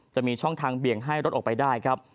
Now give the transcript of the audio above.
จะมีช่องทางเบี่ยงให้รถออกไปได้ครับ